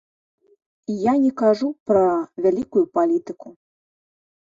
Я не кажу пра вялікую палітыку.